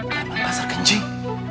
preman pasar genjing